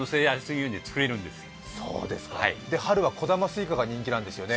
春は小玉すいかが人気なんですよね。